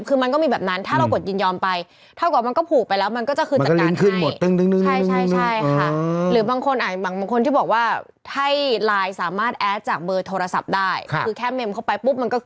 คือมันก็มีแบบนั้นถ้าเรากดยืนยอมไป